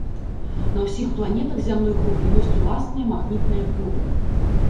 На ўсіх планетах зямной групы ёсць ўласнае магнітнае поле.